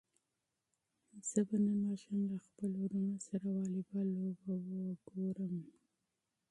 زه به نن ماښام له خپلو وروڼو سره واليبال لوبه وکړم.